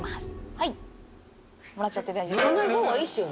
はいもらっちゃって大丈夫。